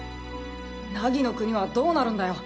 凪の国はどうなるんだよ。